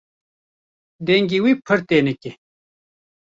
Dengê wî pir tenik e.